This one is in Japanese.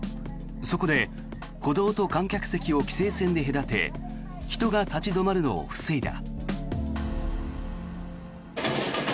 そこで歩道と観客席を規制線で隔て人が立ち止まるのを防いだ。